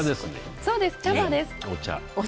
そうです、茶葉です。